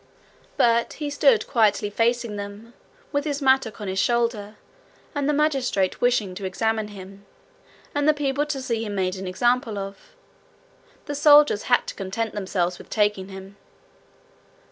But he stood quietly facing them, with his mattock on his shoulder; and the magistrate wishing to examine him, and the people to see him made an example of, the soldiers had to content themselves with taking him.